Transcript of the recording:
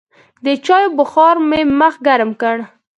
د چايو بخار مې مخ ګرم کړ.